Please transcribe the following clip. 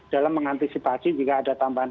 dalam mengantisipasi jika ada tambahan